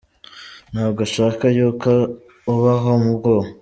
Nta bwo ashaka yuko ubaho mu bwoba.